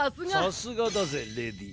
さすがだぜレディー。